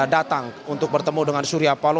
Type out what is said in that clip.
datang untuk bertemu dengan surya paloh